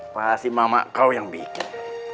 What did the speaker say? pasti mama kau yang bikin